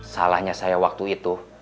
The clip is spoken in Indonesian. salahnya saya waktu itu